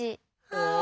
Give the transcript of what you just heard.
ああ。